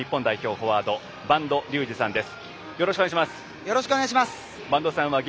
フォワード播戸竜二さんです。